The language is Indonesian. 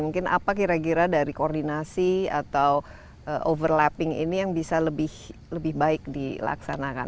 mungkin apa kira kira dari koordinasi atau overlapping ini yang bisa lebih baik dilaksanakan